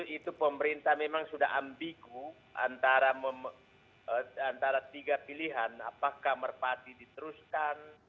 dua ribu empat dua ribu lima itu pemerintah memang sudah ambigu antara tiga pilihan apakah merpati diteruskan